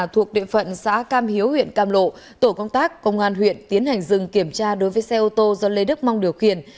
thuộc địa phận xã cam hiếu huyện cam lộ tổ công tác công an huyện tiến hành dừng kiểm tra đối với xe ô tô do lê đức mong điều khiển